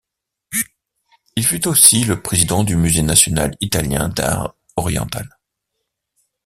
Il fut aussi le président du musée national italien d'art oriental.